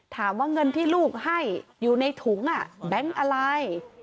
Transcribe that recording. ถามว่าเงินที่ลูกให้อยู่ในถุงแบงค์อะไร